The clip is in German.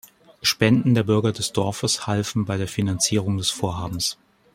Spenden der Bürger des Dorfes halfen bei der Finanzierung des Vorhabens.